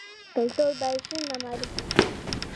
کلتور باید څنګه معرفي شي؟